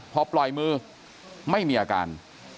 พอปล่อยมือไม่มีอาการ